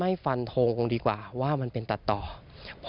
เอาไปฟังเสียงเค้าหน่อยครับ